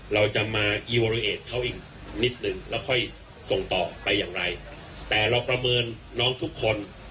เราจะมาอีเวอริเอทเขาอีกนิดนึงแล้วค่อยส่งต่อไปอย่างไรแต่เราประเมินน้องทุกคน